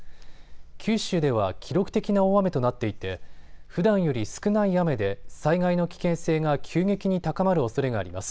九州では記録的な大雨となっていてふだんより少ない雨で災害の危険性が急激に高まるおそれがあります。